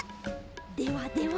ではでは。